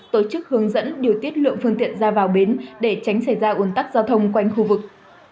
tổ chức hướng dẫn điều tiết lượng phương tiện ra vào bến để tránh xảy ra ồn tắc giao thông quanh khu vực